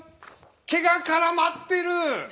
毛が絡まってる！